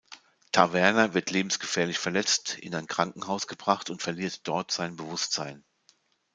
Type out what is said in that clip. Taverner wird lebensgefährlich verletzt in ein Krankenhaus gebracht und verliert dort sein Bewusstsein.